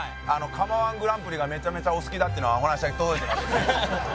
釜−１グランプリがめちゃめちゃお好きだっていうのはお話は届いてます。